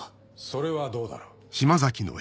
それはどうだろう。